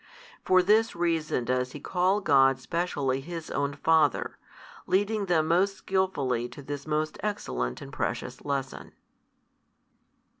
For this reason does He call God specially His own Father, leading them most skilfully to this most excellent and precious lesson.